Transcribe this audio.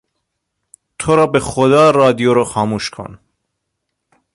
ترا به خدا رادیو را خاموش کن!